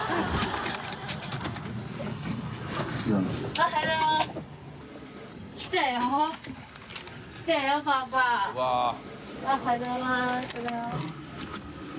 おはようございます。